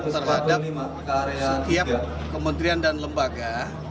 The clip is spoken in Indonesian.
terhadap tiap kementerian dan lembaga